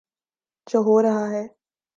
جو ہو رہا ہے۔